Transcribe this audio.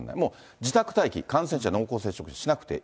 自宅待機、感染者、濃厚接触者、自宅待機しなくていい。